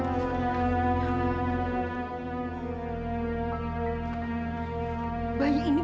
gak usah harus disini nak